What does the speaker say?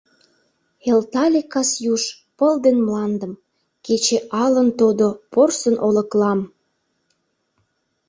Элтале кас юж Пыл ден мландым, Кече Алын тодо Порсын олыклам.